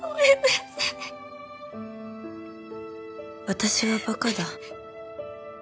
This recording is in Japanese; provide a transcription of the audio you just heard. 私はバカだ。